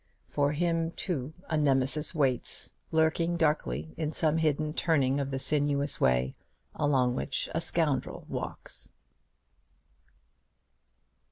For him too a Nemesis waits, lurking darkly in some hidden turning of the sinuous way along which a scoundrel walks.